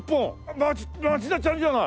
町田ちゃんじゃない！